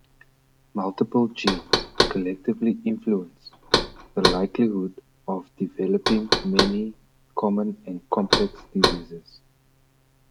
Multiple genes collectively influence the likelihood of developing many common and complex diseases.